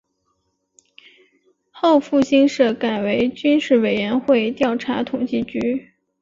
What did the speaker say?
后复兴社改为军事委员会调查统计局。